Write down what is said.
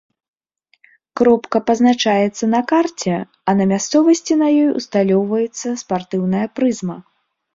Кропка пазначаецца на карце, а на мясцовасці на ёй усталёўваецца спартыўная прызма.